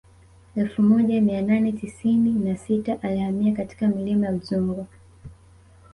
Elfu moja mia nane tisini na sita alihamia katika milima ya Udzungwa